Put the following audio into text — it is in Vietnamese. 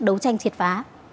đấu tranh triệt phá